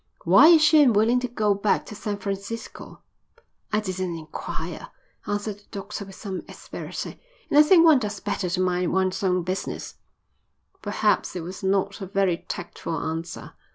"Why is she unwilling to go back to San Francisco?" "I didn't enquire," answered the doctor with some asperity. "And I think one does better to mind one's own business." Perhaps it was not a very tactful answer.